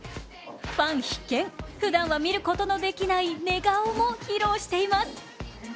ファン必見、ふだは見ることのできない寝顔も披露しています。